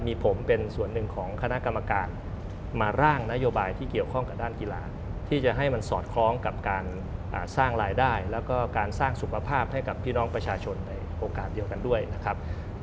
มีผมเป็นส่วนหนึ่งของคณะกรรมการมาร่างนโยบายที่เกี่ยวข้องกับด้านกีฬาที่จะให้มันสอดคล้องกับการสร้างรายได้แล้วก็การสร้างสุขภาพให้กับพี่น้องประชาชนในโอกาสเดียวกันด้วยนะครับ